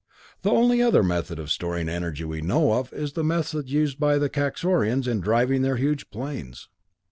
The only other method of storing energy we know of is the method used by the Kaxorians in driving their huge planes.